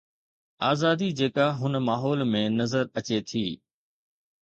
آزادي جيڪا هن ماحول ۾ نظر اچي ٿي.